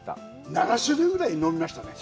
７種類ぐらい飲みましたね。